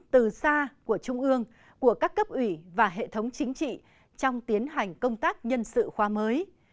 từ xa của trung ương của các cấp ủy và hệ thống chính trị trong tiến hành công tác nhân sự khoa mới